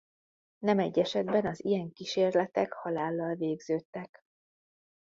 Nem egy esetben az ilyen kísérletek halállal végződtek.